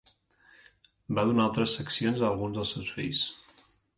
Va donar altres seccions a alguns del seus fills.